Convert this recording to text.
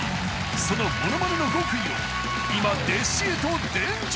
［そのモノマネの極意を今弟子へと伝授する］